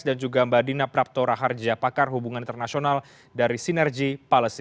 dan juga mbak dina prapto raharjia pakar hubungan internasional dari sinergi polisi